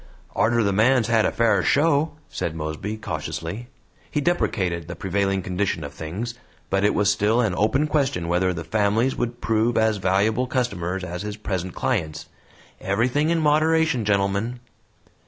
"Arter the man's had a fair show," said Mosby, cautiously. He deprecated the prevailing condition of things, but it was still an open question whether the families would prove as valuable customers as his present clients. "Everything in moderation, gentlemen."